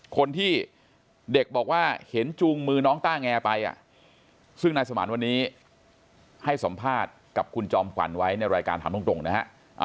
คนที่เด็กบอกว่าเห็นจูงมือน้องต้าแงไปซึ่งนายสมานวันนี้ให้สัมภาษณ์กับคุณจอมขวัญไว้ในรายการถามตรงนะฮะ